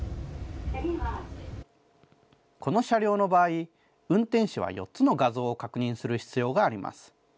この車両の場合、運転士は４つの画像を確認する必要があります。